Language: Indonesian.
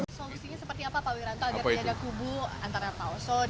solusinya seperti apa pak wiranto agar tidak ada kubu antara pak oso